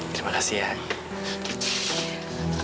terima kasih ya